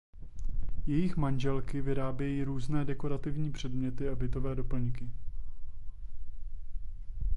Jejich manželky vyrábějí různé dekorativní předměty a bytové doplňky.